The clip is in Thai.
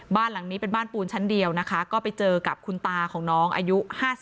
บ้านหลังนี้เป็นบ้านปูนชั้นเดียวนะคะก็ไปเจอกับคุณตาของน้องอายุ๕๓